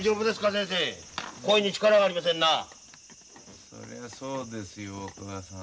そりゃそうですよ大桑さん。